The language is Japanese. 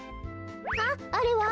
あっあれは？